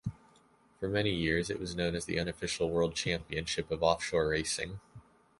For many years it was known as the unofficial world championship of offshore racing.